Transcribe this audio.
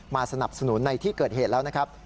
สนับสนุนในที่เกิดเหตุแล้วนะครับ